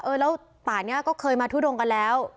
แล้วป่านี้ก็เคยมาทุดงกันแล้ว